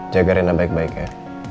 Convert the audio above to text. jaga renah baik baik ya